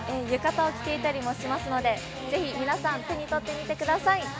浴衣を着ていたりしますので、ぜひ皆さん手に取って、、いおてください。